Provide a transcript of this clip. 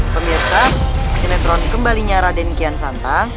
pemirsa sinetron kembalinya raden kian santa